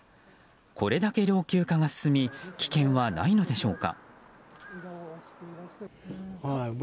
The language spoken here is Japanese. これだけ老朽化が進み危険はないのでしょうか。